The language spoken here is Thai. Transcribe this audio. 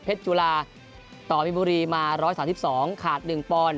เพชรจุฬาต่อมีบุรีมาร้อยสามสิบสองขาดหนึ่งปอน